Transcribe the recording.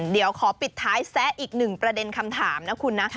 เดี๋ยวขอปิดท้ายแซะอีกหนึ่งประเด็นคำถามนะคุณนะ